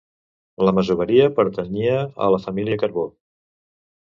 La masoveria pertanyia a la família Carbó.